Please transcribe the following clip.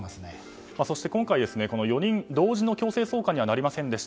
そして今回、４人同時の強制送還にはなりませんでした。